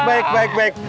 baik baik baik